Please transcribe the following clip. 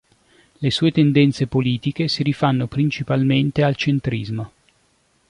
Le sue tendenze politiche si rifanno principalmente al centrismo.